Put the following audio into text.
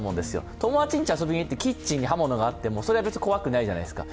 友達の家に遊びに行ってキッチンに刃物があっても別に怖くないじゃないですか。